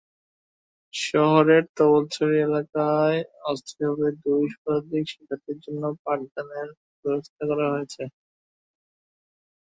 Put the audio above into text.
শহরের তবলছড়ি এলাকায় অস্থায়ীভাবে দুই শতাধিক শিক্ষার্থীর জন্য পাঠদানের ব্যবস্থা করা হয়েছে।